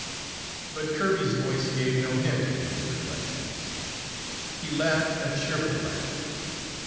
But Kirby's voice gave no hint of these reflections. He laughed a cheerful laugh.